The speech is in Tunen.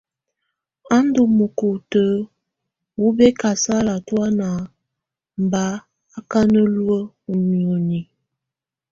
A ndù mukutǝ wù bɛkasala tɔ̀ána mba á ka luǝ́ ù nìóni.